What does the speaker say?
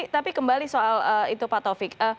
tapi kembali soal itu pak taufik